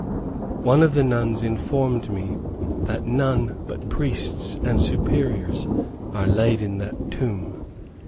One of the nuns informed me that none but priests and Superiors are laid in that tomb.